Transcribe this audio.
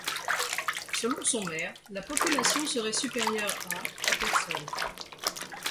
Selon son maire, la population serait supérieure à personnes.